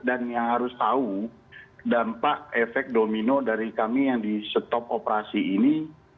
dan yang harus tahu dampak efek domino dari kami yang di stop operasi ini